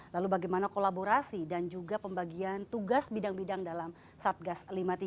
lalu bagaimana kolaborasi dan juga pembagian tugas bidang bidang dalam satgas lima puluh tiga